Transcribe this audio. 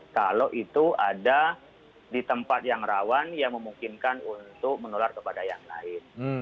kalau itu ada di tempat yang rawan yang memungkinkan untuk menular kepada yang lain